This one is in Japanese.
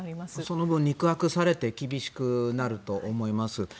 その分、肉薄されて厳しくなると思います。